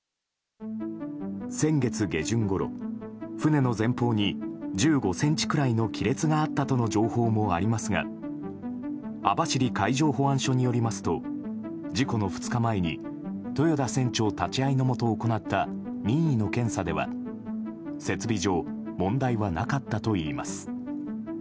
先月下旬ごろ、船の前方に１５ｃｍくらいの亀裂があったとの情報もありますが網走海上保安署によりますと事故の２日前に豊田船長立ち会いのもと行った任意の検査では設備上問題はなかったといいます。